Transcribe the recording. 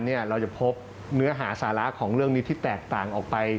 เราจะพบเนื้อหาสาระของเรื่องนี้ที่แตกต่างออกไป